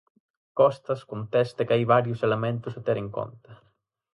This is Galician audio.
Costas contesta que hai varios elementos a ter en conta.